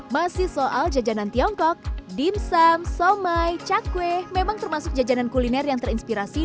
masih soal jajanan tiongkok dimsum somai cakwe memang termasuk jajanan kuliner yang terinspirasi